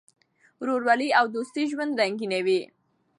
ورورولي او دوستي ژوند رنګینوي.